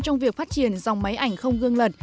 trong việc phát triển dòng máy ảnh không gương lật